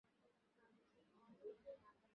সে ঘটনা এই স্থানে উল্লেখ করা যাইতে পারে।